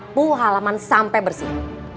ibu halaman sampe bersih